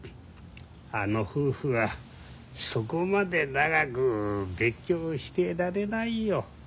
あの夫婦はそこまで長く別居してられないよ。